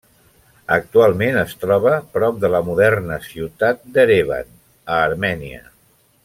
Actualment es troba prop de la moderna ciutat d'Erevan, a Armènia.